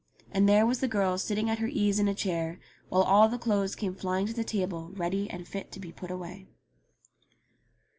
And there was the girl sitting at her ease in a chair, while all the clothes came flying to the table ready and fit to put away.